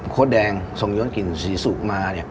โค้ดแดงทรงยศกินสีสุมาเนี่ย